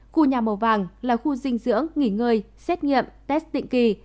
khu nhà màu vàng là khu dinh dưỡng nghỉ ngơi xét nghiệm test định kỳ